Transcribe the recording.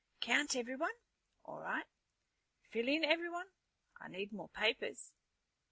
"Count everyone? All right. Fill in everyone? I need more papers."